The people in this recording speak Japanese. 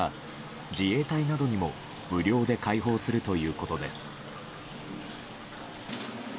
自衛隊などにも無料で開放するということです。